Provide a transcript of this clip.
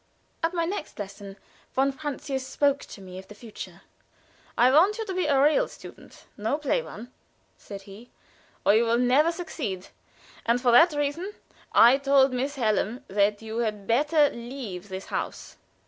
At my next lesson von Francius spoke to me of the future. "I want you to be a real student no play one," said he, "or you will never succeed. And for that reason I told Miss Hallam that you had better leave this house.